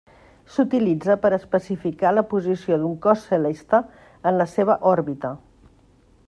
S'utilitza per a especificar la posició d'un cos celeste en la seva òrbita.